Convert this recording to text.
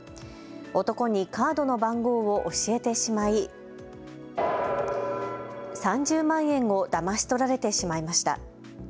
男にカードの番号を教えてしまい３０万円をだまし取られてしまいました。